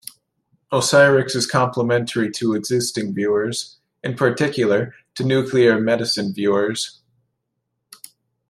Osirix is complementary to existing viewers, in particular to nuclear medicine viewers.